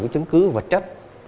chứng cứ vật chất